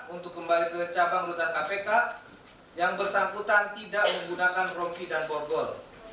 untuk kembali ke cabang rutan kpk yang bersangkutan tidak menggunakan rompi dan borgol